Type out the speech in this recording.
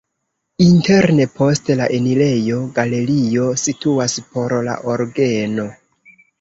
Interne post la enirejo galerio situas por la orgeno.